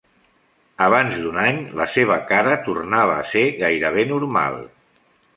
Abans d'un any, la seva cara tornava a ser gairebé normal.